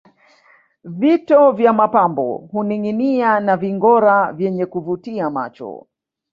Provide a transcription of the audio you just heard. Vito vya mapambo huninginia na vingora vyenye kuvutia macho